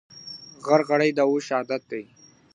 غر غړې د اوښ عادت دئ.